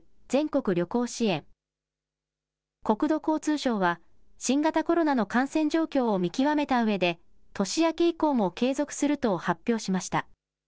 国土交通省は、新型コロナの感染状況を見極めたうえで、年明け以降も継続すると発表しました。